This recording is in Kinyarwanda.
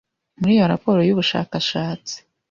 muri iyo raporo y'ubushakashatsi,